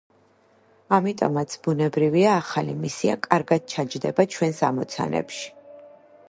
ამიტომაც, ბუნებრივია ახალი მისია კარგად ჩაჯდება ჩვენს ამოცანებში.